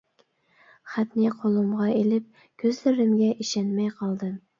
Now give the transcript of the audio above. خەتنى قولۇمغا ئېلىپ كۆزلىرىمگە ئىشەنمەي قالدىم.